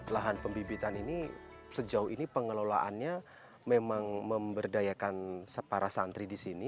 lahan pembibitan ini sejauh ini pengelolaannya memang memberdayakan para santri di sini